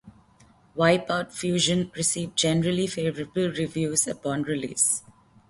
"Wipeout Fusion" received generally favourable reviews upon release.